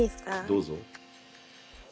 どうぞ。